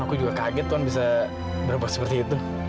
aku juga kaget an bisa berbuat seperti itu